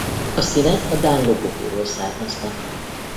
A színek a dán lobogóról származnak.